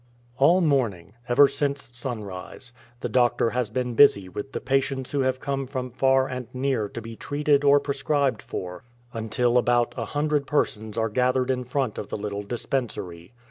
All morning, ever since sunrise, the doctor has been busy with the patients who have come from far and near to be treated or prescribed for, mitil about a hundred 34 A PRIMITIVE AMBULANCE persons are gathered in front of the httle dispensary.